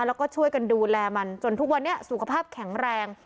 แล้วก็ช่วยกันดูแลมันจนทุกวันนี้สุขภาพแข็งแรง